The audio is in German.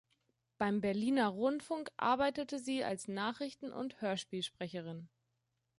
Beim Berliner Rundfunk arbeitete sie als Nachrichten- und Hörspielsprecherin.